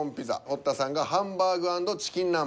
堀田さんが「ハンバーグ＆チキン南蛮」。